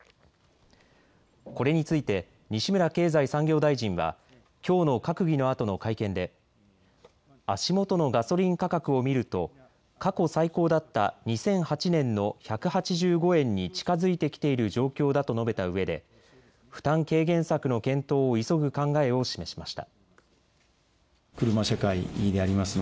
これについて西村経済産業大臣はきょうの閣議のあとの会見で足元のガソリン価格を見ると過去最高だった２００８年の１８５円に近づいてきている状況だと述べたうえで負担軽減策の検討を急ぐ考えを示しました。